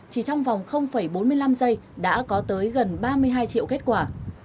chỉ trong vòng bốn mươi năm giây đã có tới gần ba mươi hai triệu kết quả